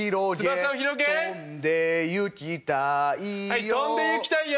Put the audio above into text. はい飛んで行きたいよ！